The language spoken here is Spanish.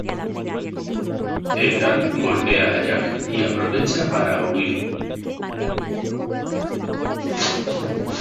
Ethan golpea a Jack y aprovecha para huir.